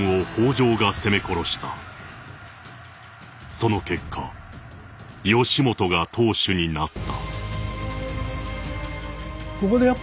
「その結果義元が当主になった」。